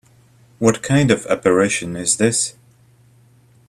What kind of apparition is this?